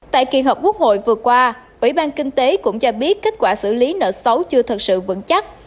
tại kỳ họp quốc hội vừa qua ủy ban kinh tế cũng cho biết kết quả xử lý nợ xấu chưa thật sự vững chắc